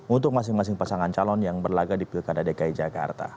untuk masing masing pasangan calon yang berlaga di pilkada dki jakarta